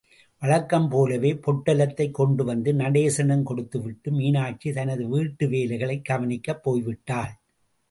வழக்கம் போலவே, பொட்டலத்தைக் கொண்டுவந்து நடேசனிடம் கொடுத்துவிட்டு, மீனாட்சி தனது வீட்டு வேலைகளைக் கவனிக்கப் போய்விட்டாள்.